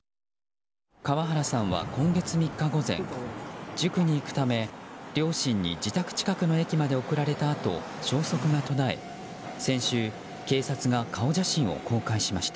川原さんは今月３日午前塾に行くため両親に自宅近くの駅まで送られたあと消息が途絶え、先週警察が顔写真を公開しました。